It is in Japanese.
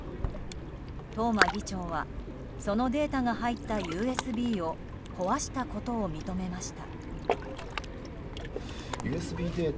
東間議長はそのデータが入ったＵＳＢを壊したことを認めました。